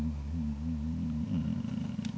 うん。